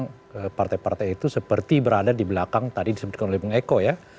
karena partai partai itu seperti berada di belakang tadi disebutkan oleh bung eko ya